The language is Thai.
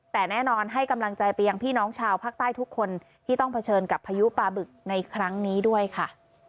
แต่แน่นอนให้กำลังใจไปยังพี่น้องชาวภาคใต้ทุกคนที่ต้องเผชิญกับพายุปลาบึกในครั้งนี้ด้วยค่ะ